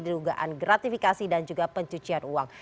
dugaan gratifikasi dan juga pencucian uang